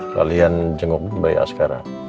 kalian jenguk bayi sekarang